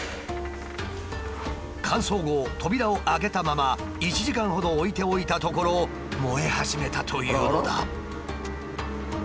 乾燥後扉を開けたまま１時間ほど置いておいたところ燃え始めたというのだ。